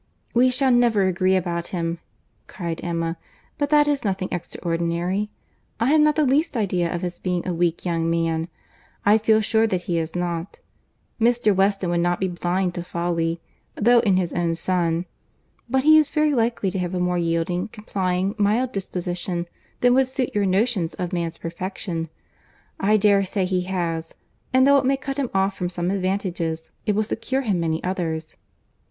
"We shall never agree about him," cried Emma; "but that is nothing extraordinary. I have not the least idea of his being a weak young man: I feel sure that he is not. Mr. Weston would not be blind to folly, though in his own son; but he is very likely to have a more yielding, complying, mild disposition than would suit your notions of man's perfection. I dare say he has; and though it may cut him off from some advantages, it will secure him many others."